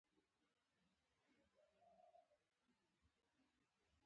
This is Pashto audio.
سفر مې ډېر اوږد شو